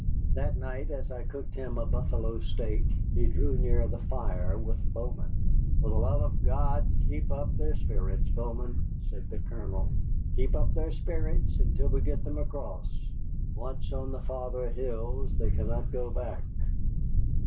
That night, as I cooked him a buffalo steak, he drew near the fire with Bowman. "For the love of God keep up their spirits, Bowman," said the Colonel; "keep up their spirits until we get them across. Once on the farther hills, they cannot go back."